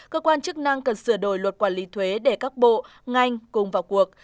cơ quan chức năng cần sửa đổi luật quản lý thuế để các bộ ngành cùng vào cuộc